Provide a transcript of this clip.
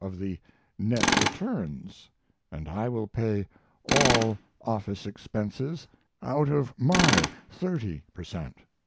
of the net returns and I will pay all office expenses out of my thirty per cent."